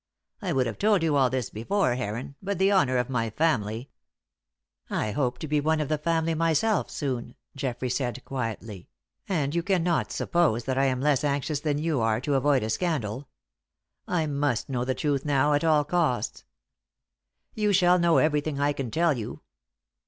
I would have told you all this before, Heron, but the honour of my family " "I hope to be one of the family myself, soon," Geoffrey said, quietly; "and you cannot suppose that I am less anxious than you are to avoid a scandal. I must know the truth now, at all costs." "You shall know everything I can tell you.